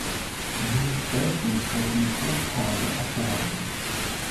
Nur noch selten wurden Hoftage abgehalten.